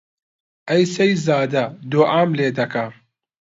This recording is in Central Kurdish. ئەی سەیزادە دووعام لێ دەکا